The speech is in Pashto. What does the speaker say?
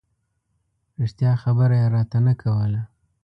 رښتیا خبره یې راته نه کوله.